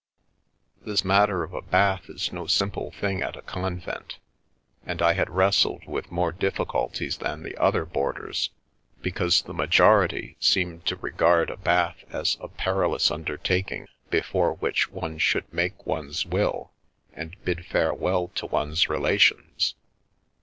" This matter of a bath is no simple thing at a convent, and I had wrestled with more difficulties than the other boarders, because the majority seemed to regard a bath as a perilous undertaking before which one should make one's will and bid farewell to one's relations.